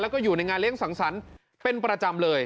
แล้วก็อยู่ในงานเลี้ยงสังสรรค์เป็นประจำเลย